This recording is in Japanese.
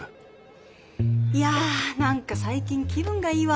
いや何か最近気分がいいわ。